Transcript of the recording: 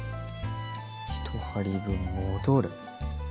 １針分戻る。